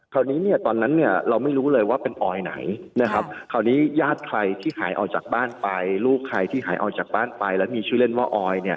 คราวนี้ตอนนั้นเราไม่รู้เลยว่าเป็นออยไหนนะครับคราวนี้ญาติใครที่หายออกจากบ้านไปลูกใครที่หายออกจากบ้านไปแล้วมีชื่อเล่นว่าออย